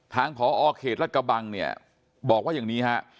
ทางผอเขตรัฐกระบังเนี่ยบอกว่าอย่างนี้ฮะ